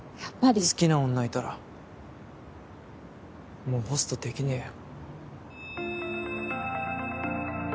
好きな女いたらもうホストできねぇよ。